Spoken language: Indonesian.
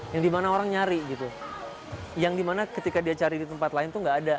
yang di mana orang nyari gitu yang di mana ketika dia cari di tempat lain itu nggak ada